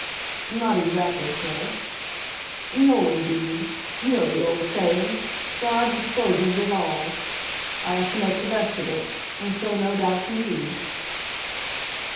"Not exactly, sir." "No indeed. You know the old saying, 'God disposes it all.' I have to make the best of it, and so no doubt do you."